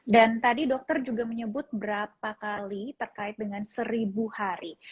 dan tadi dokter juga menyebut berapa kali terkait dengan seribu hari